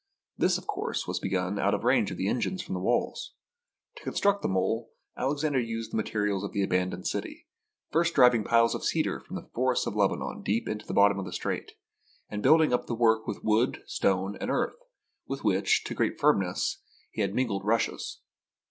This, of course, was begun out of range of the engines from the walls. To construct the mole, Alexander used the materials of the abandoned city — first driving piles of cedar from the forests of Lebanon deep into the bottom of the strait, and building up the work with wood, stone, and earth, with which, to give firmness, he had mingled rushes.